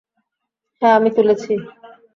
হ্যাঁ, আমি তুলেছি।